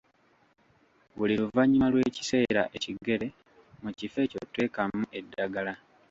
Buli luvanyuma lw‘ekiseera ekigere, mu kifo ekyo teekamu eddagala